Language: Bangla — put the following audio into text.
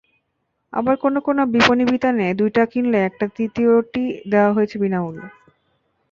আবার কোনো কোনো বিপনীবিতানে দুইটা কিনলে একটা তৃতীয়টি দেওয়া হয়েছে বিনামূল্যে।